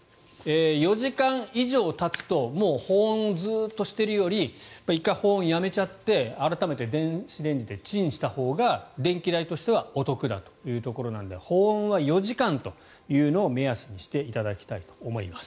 ４時間以上たつともう保温をずっとしているより１回保温をやめちゃって改めて電子レンジでチンしたほうが電気代としてはお得だということなので保温は４時間というのを目安にしていただきたいと思います。